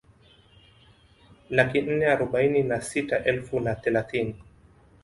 Laki nne arobaini na sita elfu na thelathini